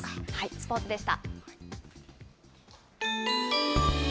スポーツでした。